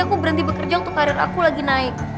aku berhenti bekerja untuk karir aku lagi naik